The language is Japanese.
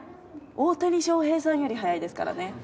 大谷翔平さんより速いですからね。